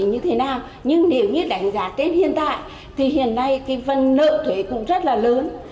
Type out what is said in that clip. như thế nào nhưng nếu như đánh giá tết hiện tại thì hiện nay cái phần nợ thuế cũng rất là lớn